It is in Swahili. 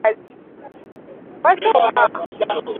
tani mojambili ya viazi inaweza patikana kwenywe hekari moja ya viazi